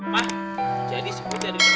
pak jadi sempit dari bunda dari